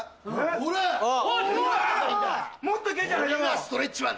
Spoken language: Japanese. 俺がストレッチマンだ！